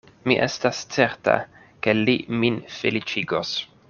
Mi estas certa, ke li min feliĉigos.